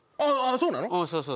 そうなの？